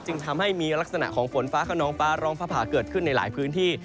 จึงทำให้มีลักษณะของฝนฟ้าขนองฟ้าร้องฟ้าผ่าเกิดขึ้นในหลายพื้นที่